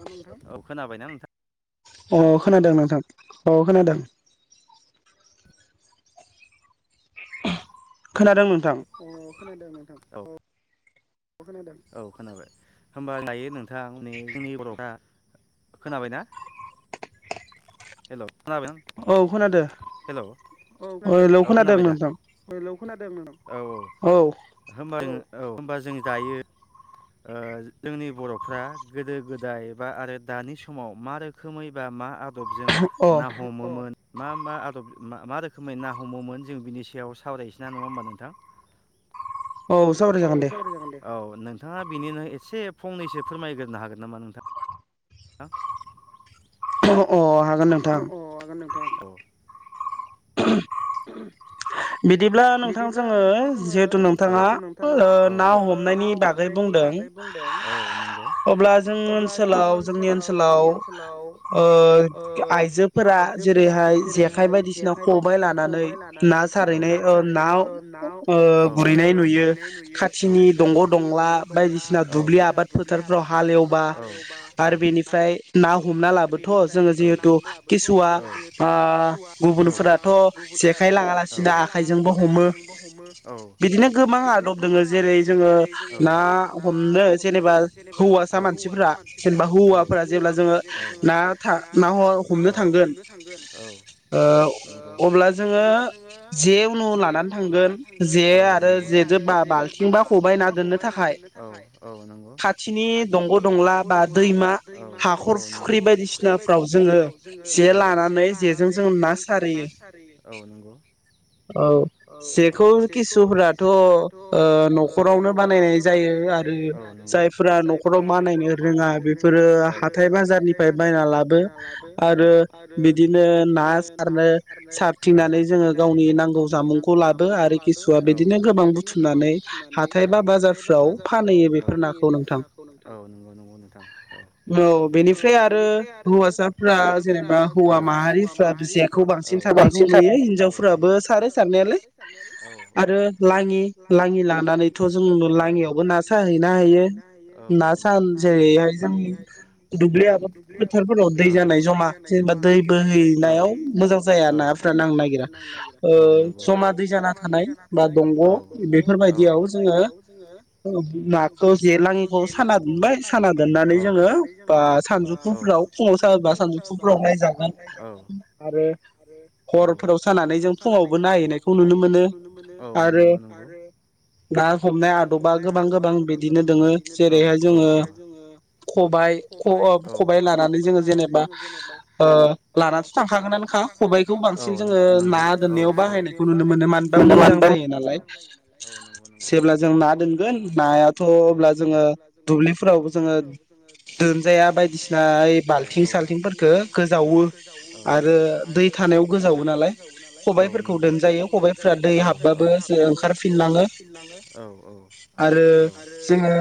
औ नोंथां औ खोनाबायना नोंथां अ खोनादों नोंथां अ खोनादों खोनादोंमोन अ खोनादों नोंथां औ खोनादों औ खोनाबाय होमबा दायो नों थां नै जोंनि भारता खोनाबायना हेल' औ खोनादो हेल' औ खोनादों औ खोनाबाय दा हेल' खोनादों औ औ औ होमबा जों दायो ओ जोंनि बर'फ्रा गोदो गोदाय बा आरो दानि समाव मा रोखोमै बा मा आ दब जों ना हमोमोन मा मा मा मा रोखोमै ना हमोमोन जों बिनि सायाव सावरायसै ना नङा होमबा नोंथां? औ सावराय जागोन दे। औ नोंथाङा बिनिनो एसे फंनैसो फोरमायग्रोनो हागोन नामा नोंथां? [inaudible] अ अ हा अ अ हागोन नोंथां औ। बिदिब्ला नोंथां जोङो जिहेथु नोंथाङा ओ ना हमनायनि बागै बुंदों अब्ला जों ओनसोलाव जोंनि ओनसोलाव ओ आइजोफोरा जेरैहाय जेखाय बायदिसिना खबाइ औ औ औ। दंग' दंला बायदिसिना दुब्लि आबाद फोथारफ्राव हालेवबा आरो बेनिफ्राय ना हमना लाबोथ' जो जिहेथु किसुवा ओ गुबुनफ्रा थ' जेखाय लाङालासिनो आखाइजोंबो हमो। बिदिनो गोबां आदब दोङो जेरै जोङो ना हमनो जेनेबा हौवासा मानसिफ्रा जेनेबा हौवाफोरा जेब्ला जोङो औ‌ औ औ। अब्ला जोङो जे उनाव लानानै थांगोन जे आरो जेजों बा-बालथिं औ औ नंगौ औ। औ नंगौ हाखर फुख्रि बायदिसिनाफ्राव जोङो औ जे लानानै जेजों जों ना सारहोयो। औ नंगौ। औ जेखौ किसुफोराथ' ओ न'खरावनो बानायनाय जायो। आरो जायफोरा न'खराव बानायनो रोङा बेफोरो हाथाय बा हाथाय बाजारनिफ्राय बायना लाबो औ आरो बिदिनो ना सार सारथिंनानै जोङो गावनि नांगौ जामुंखौ लाबो आरो किसुआ बिदिनो गोबां बुथुमनानै नै औ हाथाय बा औ बाजारफ्राव फानहैयो बेफोर नाखौ नोंथां औ नंगौ नंगौ नोंथां औ‌ औ बेनिफ्राय आरो हौवासाफ्रा जेनेबा हौवा माहारिफ्रा जेखौ बांसिन सारनायखौ नुयो हिनजावफोराबो सारो सारनायालाय। आरो लाङि लाङि ला लाङि लांनानैथ' औ जों लाङियावबो ना साहैनो हायो औ औ ना सानो जेरैहाय दुब्लि आबाद फोथारफोराव दै जानाय जमा जेनेबा दै बोहैनायाव मोजां जाया नाफोरा नांनो नागिरा। ओ जमा दै जाना थानाय बा दंग' बेफोरबायदि औ बेफोरबायदियाव जोङो नाखौ जेलाङिखौ साना दोनबाय साना दोननानै जोङो बा फुंफ्राव फुङाव सायोबा सानजौफु फ्राव नायजागोन। आरो हरफोराव सानानै जों फुङावबो नायहैनायखौ नुनो मोनो। आरो ना हमनाय आदबा गोबां गोबां बिदिनो दोङो। जेरैहाय जोङो खबाइ ख ओ खबाइ लानानै जोङो जेनेबा लानासो थांखागोनानोखा खबाइखौ बांसिन जोङो ना दोननायाव बाहायनायखौ नुनो मोन। मानो होनबा मोजां जायो नालाय। जेब्ला जों ना दोनगोन नायाथ' अब्ला जोङो दुब्लिफोरावबो जोङो दोनजायो। बायदिसिना बालथिं सालथिंफोरखो गोजावो। आरो दैया थानायाव गोजावो नालाय खबाइफोरखौ दोनजायो खबाइफ्रा दै हाबबाबो ओंखारफिनलाङो। फिनलाङो औ औ। आरो जोङो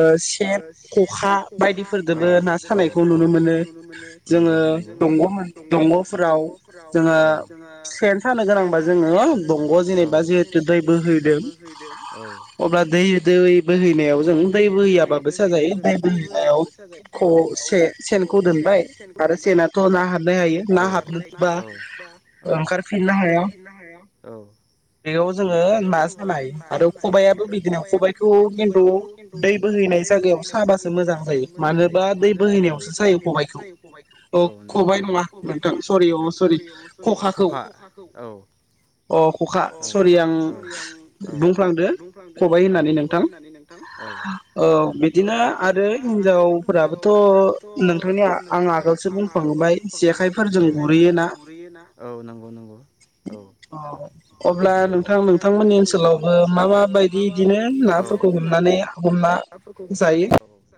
ओ सेन, खखा बायदिफोर औ औ औ नंगौ नंगौ। फोराव औ जोङो सेन सानो गोनांबा जोङो औ नआव जेनेबा जिहेतु दै बोहै अब्ला दै दै बोहैनायाव जों दै बोहैयाबाबो साजायो दै बोहैनायाव ख सेनखौ दोन बाय आरो सेनाथ' ना हाबनो हायो ना हाबनोबा औ ओंखारफिननो हाया औ। बेयाव जोङो ना सानाय आरो खबाइयाबो बिदिनो खबाइखौ खिन्थु दै बोहै दै बोहैनाय जायगायाव साबासो मोजां जायो मानोबा दै बोहैनायावसो जायो खबाइखौ औ। खबाइ नङा नोंथां सरि सरि खखाखौ औ। अ खखा सरि आं बुंफ्लांदो खबाइ होननानै नोंथां। औ बिदिनो आरो हिनजावफोराबोथ' नोंथांनि आं रावसो बुंफ्लांबाय। जेखाइफोरजों गुरहैयो ना औ नंगौ नंगौ। अ अब्ला नोंथां नोंथांमोननि ओनसोलावबो मा माबायदि बिदिनो नाफोर खौ हमनानै हाफोरखौ हमनानै औ औ ज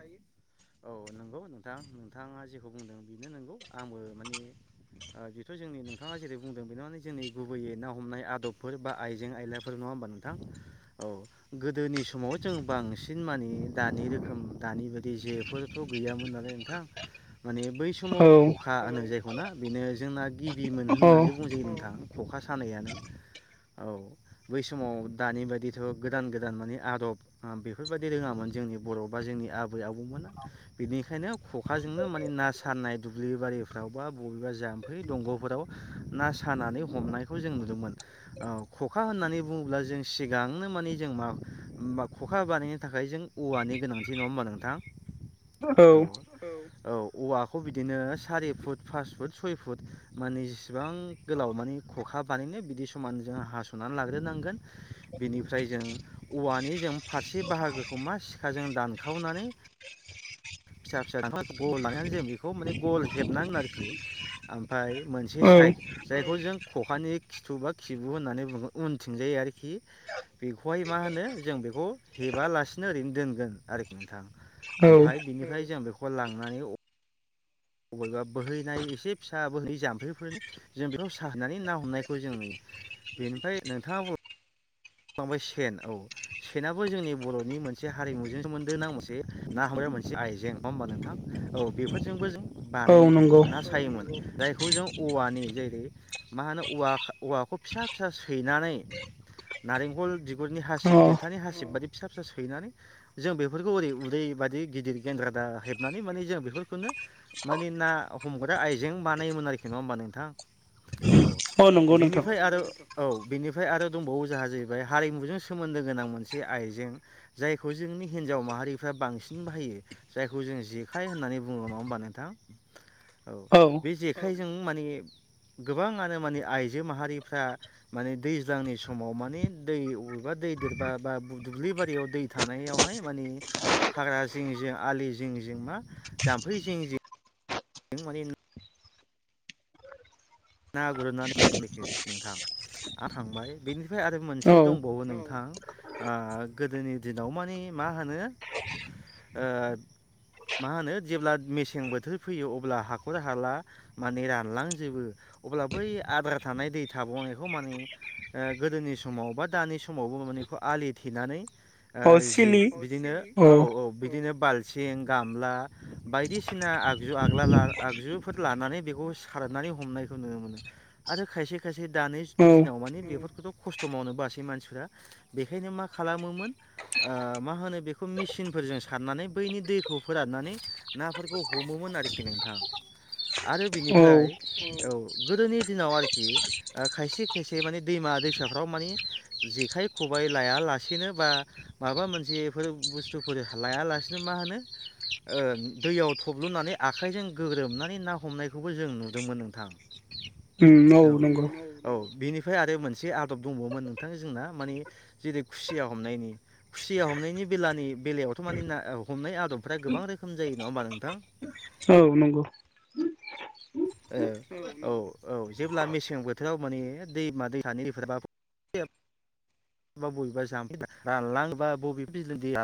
औ नंगौ नोंथां। नोंथाङा जेखौ बुंदों बेनो नंगौ आंबो माने बेथ' जोंनि नोंथाङा जेरै बुंदों बेनो माने जों जोंनि गुबै ना हमनाय आदबफोर बा आइजें आइलाफोर नङा होनबा नोंथां औ गोदोनि सम समाव जों बांसिन बांसिन मानि दानि रोखोम दानि बायदि जेफोरथ' गैयामोन नालाय नोंथां माने बै समाव खखा होनो जायखौना बेनो जोंना गिबिमोन होननानै बुंजायो नोंथां खखा सानायानो औ बै समाव दानि बायदिथ' गोदान गोदान माने आदब बे बेफोरबायदि रोङामोन जोंनि बर' बा जोंनि आबै आबौमोना बिनिखायनो ख'खाजोंनो माने ना सानाय नाय दुब्लि बारिफ्राव बा बबेबा जाम्फै दंग'फोराव ना सानानै हमनायखौ जों नुदों खखा होननानै बुङोब्ला जों सिगांनो माने जों मा खखा बानायनो थाखाय जों औवानि गोनांथि नङा होमबा नोंथां औ औ औ औवाखौ बिदिनो सारि फुट पास फुट सय फुट माने जेसेबां गोलाव माने खखा बानायनो बिदि समान जों हास'नानै लाग्रोनांगोन बिनिफ्राय जों औवानि जों फारसे बाहागोखौ मा सिखाजों दानखावनानै फिसा फिसा दानना लानानै जों बेखौ माने गल हेबनांगोन आरोखि ओमफ्राय मोनसे साइड जायखौ जों खखानि खिथुब बा खिबु होननानै बुङो उनथिंजायो आरोखि बेखौहाय मा होनो जों बेखौ हेबालासिनो ओरैनो दोनगोन आरोखि नोंथां औ फ्राय जों बेखौ लांनानै बबेबा बोहैनाय एसे फिसा बोहैनाय जाम्फैफोरनि जों बेखौ साहोनानै ना हमनायखौ जों नुयो। बेनिफ्राय नोंथाङा बांबाय सेन औ सेनाबो जोंनि बर'नि मोनसे हारिमुजों सोमोन्दो नं मोनसे ना हमबाय मोनसे आइजें नङा हबा नोंथां औ बेफोरजोंबो जों बानाय ना सायोमोन। जायखौ जों औवानि जेरै मा होनोव औवाखौ फिसा फिसा सैनानै नारेंखल बिगुरनि हासिब देन्थानि हासिब बादि फिसा फिसा सैनानै जों बेफोरखौ ओरै उदै बादि गिदिर गेन्द्रादा हेबनानै माने जों बेफोरखौनो माने ना हमग्रा आइजें बानायोमोन आरोखि नङा होमबा नोंथां औ बेनिफ्राय आरो औ बेनिफ्राय आरो दंबावो जोंहा जाहैबाय हारिमुजों सोमोन्दो गोनां मोनसे आइजें जायखौ जोंनि हिनजाव माहारिफ्रा बांसिन बाहायो जायखौ जों जेखाइ होननानै बुङोब्ला नङा होमबा नोंथां औ बे जेखाय जों माने गोबां आरो माने आइजो माहारिफ्रा माने दैज्लांनि समाव समाव माने दै अबेबा दै देरबा बा दुब्लि बारियाव दै थानायावहाय माने हाग्रा जिं जिं आलि जिं जिं मा जाम्फै जिं जिं [unintelligible] ना गुरनानै [unintelligible] नोंथां आरो थांबाय बेनिफ्राय आरो मोनसे दंबावो नोंथां ओ गोदोनि दिनाव मानि मा होनो ओ मा होनो जेब्ला मेसें बोथोर फैयो अब्ला हाखर हाला माने रानलांजोबो अब्ला बै आद्रा थानाय दै थाबावनायखौ माने ओ गोदोनि समाव बा दानि समावबो माने आलि थेनानै ओ जेखौ बिदिनो औ औ बिदिनो बाल थिं गामला बायदिसिना आगजु आग्ला आगजुफोर लानानै बेखौ सारनानै हमनाय नुनो मोनो आरो खायसे खायसे दानि दिनाव मानि बेफोरखौथ' खस्थ' मावनो बासै मानसिफ्रा बेखायनो मा खालामोमोन ओ मा होनो बेखौ मेसिन फोरजों सारनानै बैनि दैखौ फोराननानै नाफोरखौ हमोमोन आरोखि नोंथां आरो बिनिफ्राय औ गोदोनि दिनाव आरोखि खायसे खायसे माने दैमा दैसाफ्राव माने जेखाइ खब खबाय लाया लासेनो बा माबा मोनसे बेफोर बुस्थुफोर लायालासेनो मा होनो ओ दैयाव थब्लनानै आखाइजों गोग्रोमनानै ना हमनायखौबो जों नुदोंमोन नोंथां ओम औ नंगौ बेनिफ्राय आरो मोनसे आदब दंबावोमोन नोंथां जोंना माने जेरै खुसिया हमनायनि खुसिया हम हमनायनि बेलानि बेलायावथ' माने ना हमनाय आदबफ्रा गोबां रोखोम जायो नङा होमबा नोंथां? औ नंगौ ओ औ औ औ जेब्ला मेसें बोथोराव मानैयो दैमा दैसानि दैफोरा [unintelligible] बबेबा बबेबा जाम्फै दालां बा बबेबा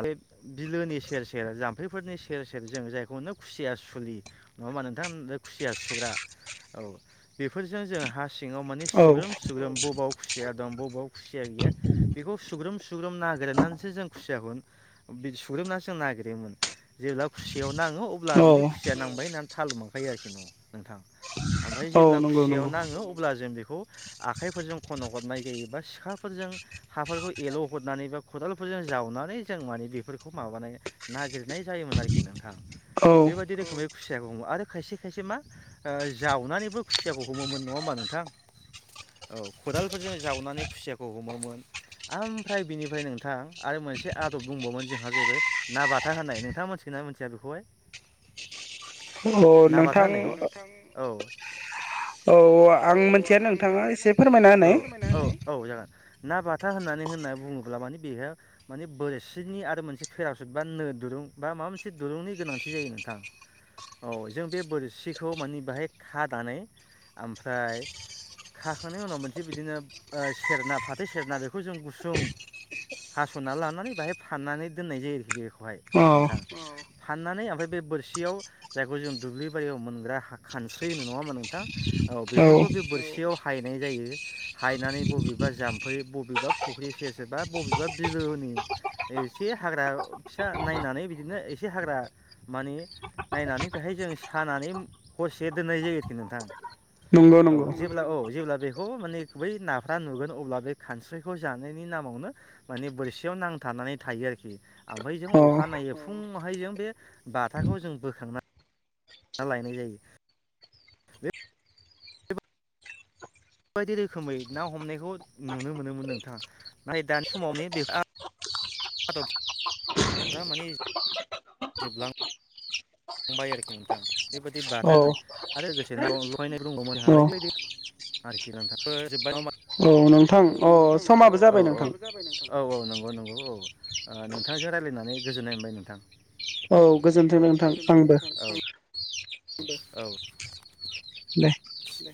बि बिलोनि सेर सेर जाम्फैफोर सेर सेर जों जायखौनो खुसिया सुलि नङा होनबा नोंथां बे खुसिया सुग्रा औ बेफोरजों जों हासि सिङाव मानि सुग्रोम सुग्रोम बबाव खुसिया दं बबाव खुसिया गैया बेखौ सुग्रोम सुग्रोम नागिरनानैसो जों खुसियाखौ सुग्रोमनानैसो जों नागिरयोमोन। जेब्ला खुसियाव नाङो अब्ला माने खुसिया नांबाय होननानै थाल' मोनखायो आरोखि नोंथां ओमफफ्राय जेब्ला खुसियाव नाङो अब्ला जों बे खौ आखाइफोरजों खन' हरनाय जायो बा सिखाफोरजों हाफोरखौ एल' हरनानै बा खदालफोरजों जावनानै जों माने बेफोरखौ माबानाय नागिरनाय जायोमोन आरोखि नोंथां बेबायदि रोखोमै खुसियाखौ हमो आरो खायसे खायसे मा ओ जावनानैबो खुसियाखौ हमोमोन नङा होमबा नोंथां औ खदालफोरजों जावनानै खुसियाखौ हमोमोन। ओमफ्राय बिनिफ्राय नोंथां आरो मोनसे आदब बुंबावगोन जोंहा जाहैबाय ना बाथा होननाय नोंथां। थांआ मोनथिगो ना मिथिया बेखौहाय ना बाथा होननायखौ औ। औ आं मोनथिया नोंथाङा एसे फोरमायना होनाय। ना बाथो होननानै होनना बुङोब्ला माने बेहाय माने बोरसिनि आरो मोनसे फेरासुट बा नोदुर दुरुं बा माबा मोनसे दुरुंनि गोनांथि जायो नोंथां औ जों बे बोरसिखौ मानिे बाहाय खानानै ओमफ्राय खाखांनायनि उनाव मोनसे बिदिनो ओ सेरना फाथ फाइ सेरना बेखौ जों गुसुं हासना लानानै बाहाय फाननानै दोननाय जायो आरो बेखौ बेखौहाय नोंथां फाननानै ओमफाय बे बोरसियाव जायखौ जों दुब्लि बारियाव मोनग्रा खानस्रौ होनो नङा होमा नोंथां औ बेफोरखौ बे बोरसियाव हायनाय जायो हायनानै बबेबा जाम्फ फौ बबेबा फुख्र सेरसे बा बबेबा बिलोनि एसे हाग्रा फिसा नाय नानै बिदिनो एसे हाग्रामानि नायनानै बेहाय जों सानानै हरसे दोननाय जायो आरोखि नोंथां औ जेब्ला औ जेब्ला बेखौ माने बै नाफ्रा नुगोन अब्ला बे खानस्रौखौ जानायनि नामावनो माने बोरसियाव नांथानानै थायो आरोखि ओमफ्राय जों अखानाय फुंआवहाय जों बे बाथाखौ जों बोखांना खांना लायनाय जायो बे बेबायदि रोखोमै ना हमनायखौ नुनो मोनोमोन नोंथाङा नाथाय दानि समावनो बे आदबफ्रा माने जोबलां बाय आरोखि नोंथां बेबायदि बाथा होनाय आरो लोगोसे ना लुहैनाय बो दंबावोमोन जोंहा बायदि बायदि आरोखि नोंथां जोब्बाय नङाओम्बा औ नोंथां अ समाबो जाबाय नोंथां। औ औ नंगौ नंगौ औ ओ नोंथांजो रायलायनानै गोजोननाय मोनबाय नोंथां। औ गोजोन्थों नोंथां। औ औ दे दे